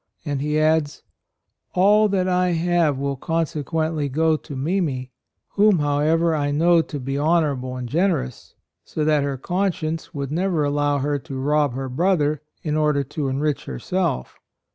And he adds: "All that I have will conse quently go to Mimi, whom, however, 1 know to be honor able and generous, so that her conscience would never allow her to rob her brother in order to enrich herself.